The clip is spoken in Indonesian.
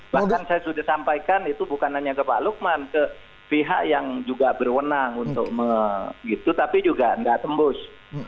bahkan saya sudah sampaikan itu bukan hanya ke pak lukman ke pihak yang juga berwenang untuk gitu tapi juga tidak tembus